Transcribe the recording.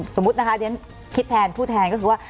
สมมุตินะคะเรียนคิดแทนผู้แทนก็คือว่า